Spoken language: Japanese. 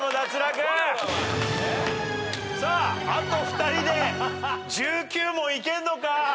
さああと２人で１９問いけんのか？